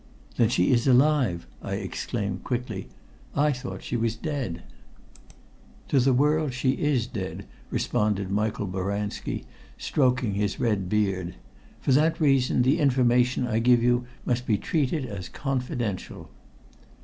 "Then she is alive!" I exclaimed quickly. "I thought she was dead." "To the world she is dead," responded Michael Boranski, stroking his red beard. "For that reason the information I give you must be treated as confidential."